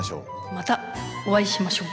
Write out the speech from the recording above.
またお会いしましょう。